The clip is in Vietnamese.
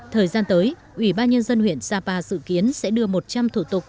thời gian tới ủy ban nhân dân huyện sapa dự kiến sẽ đưa một trăm linh thủ tục